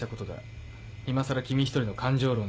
今更君一人の感情論で。